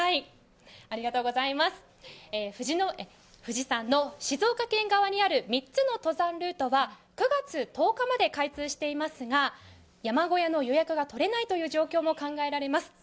富士山の静岡県側にある３つの登山ルートは９月１０日まで開通していますが山小屋の予約が取れないという状況も考えられます。